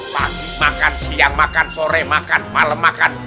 pagi makan siang makan sore makan malam makan